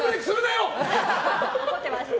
怒ってます。